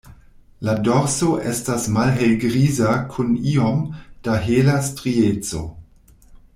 La dorso estas malhelgriza kun iom da hela strieco.